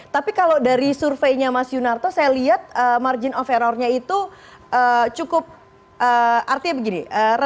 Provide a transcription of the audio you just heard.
tapi kalau dari surveinya mas yunarto saya lihat margin of errornya itu cukup artinya begini